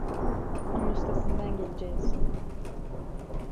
Bunun üstesinden geleceğiz.